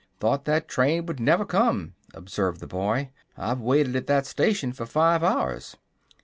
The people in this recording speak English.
"Thought that train would never come," observed the boy. "I've waited at that station for five hours."